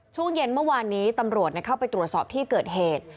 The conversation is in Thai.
ช่วงเย็นเมื่อวานนี้ตำรวจเข้าไปตรวจสอบที่เกิดเหตุ